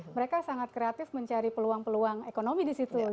mereka sangat kreatif mencari peluang peluang ekonomi di situ